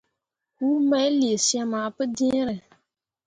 Huu main lee syem ah pǝjẽe.